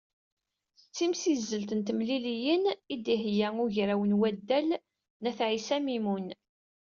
D timsizzelt n temliliyin, i d-iheyya ugraw n waddal n Ayt Ɛisa Mimon.